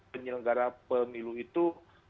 penyelenggara pemilu itu